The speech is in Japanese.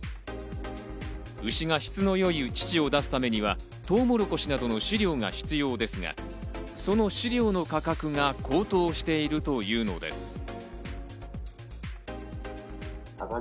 牛が質の良い乳を出すためにはトウモロコシなどの飼料が必要ですが、その飼料の価格が高騰しているというのです。